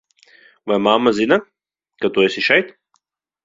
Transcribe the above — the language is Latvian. Vai mamma zina, ka tu esi šeit?